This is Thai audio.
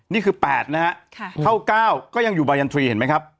นี่คือ๘นะฮะเข้า๙ก็ยังอยู่บายันทรีย์เห็นไหมครับ